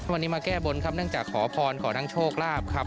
วันนี้มาแก้บนครับเนื่องจากขอพรขอทั้งโชคลาภครับ